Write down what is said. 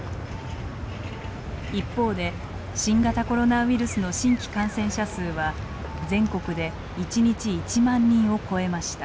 一方で新型コロナウイルスの新規感染者数は全国で一日１万人を超えました。